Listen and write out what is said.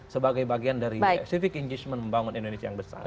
sebagai bagian dari civic engagement membangun indonesia yang besar